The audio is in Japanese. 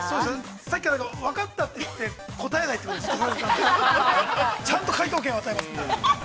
◆さっきから、わかったって言って答えないということをやられたので、ちゃんと解答権を与えますんで。